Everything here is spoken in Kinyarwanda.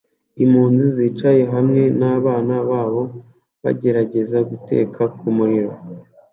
Impunzi zicaye hamwe nabana babo bagerageza guteka mumuriro